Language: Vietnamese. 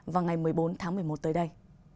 vào ngày một mươi bốn tháng một mươi một tới đây